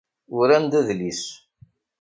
Uran-d adlis.